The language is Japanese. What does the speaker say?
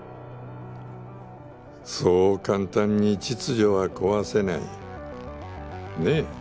そう簡単に秩序は壊せない。ねぇ？